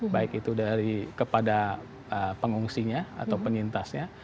baik itu kepada pengungsinya atau penyintasnya